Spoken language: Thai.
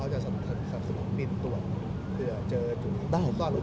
หมอบรรยาหมอบรรยา